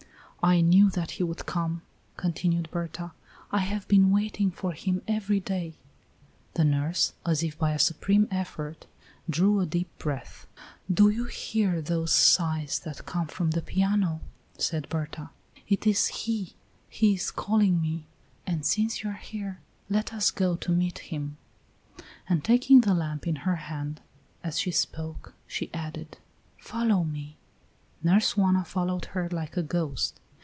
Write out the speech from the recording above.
"I knew that he would come," continued Berta; "I have been waiting for him every day." The nurse, as if by a supreme effort, drew a deep breath. "Do you hear those sighs that come from the piano?" said Berta. "It is he; he is calling me; and since you are here, let us go to meet him." And taking the lamp in her hand as she spoke, she added: "Follow me." Nurse Juana followed her like a ghost.